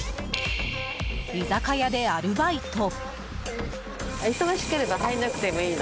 居酒屋でアルバイト。